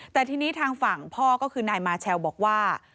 แต่ทีนี้ทางฝั่งพ่อก็คือนายมาเชลบอกว่า